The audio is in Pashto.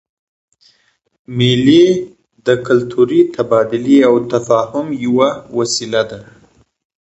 مېلې د کلتوري تبادلې او تفاهم یوه وسیله ده.